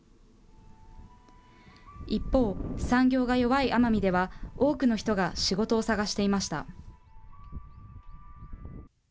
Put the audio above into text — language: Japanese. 一方、産業が弱い奄美では、多くの人が仕事を探していました。